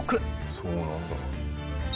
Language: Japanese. そうなんだ。